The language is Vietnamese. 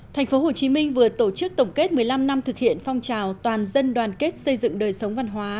thành phố hồ chí minh vừa tổ chức tổng kết một mươi năm năm thực hiện phong trào toàn dân đoàn kết xây dựng đời sống văn hóa